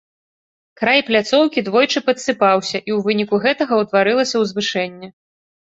Край пляцоўкі двойчы падсыпаўся, і ў выніку гэтага ўтварылася ўзвышэнне.